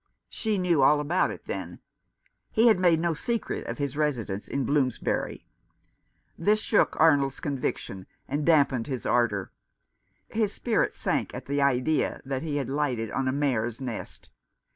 She knew all about it, then! He had made no secret of his residence in Bloomsbury. This shook Arnold's conviction, and damped his ardour. His spirits sank at the idea that he had lighted on a mare's nest.